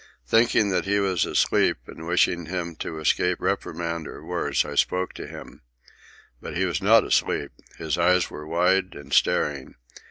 Thinking that he was asleep, and wishing him to escape reprimand or worse, I spoke to him. But he was not asleep. His eyes were wide and staring.